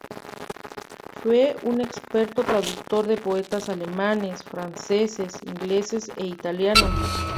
Fue un experto traductor de poetas alemanes, franceses, ingleses e italianos.